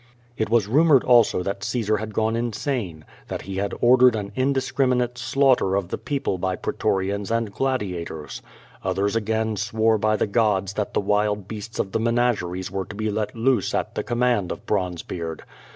It was rumoreid also that Caesar had gone insane, that he had ordered an indiscriminate slaughter of the people by pretorians and gladiators. Others again swore by the gods that the wild beasts of the menageries were to be let loose at the command of Bronzebeard.